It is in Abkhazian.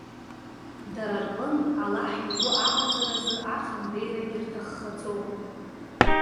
Дара рҟынтә, Аллаҳ игәы аҟаҵаразы ахандеирагьы рҭаххаӡом.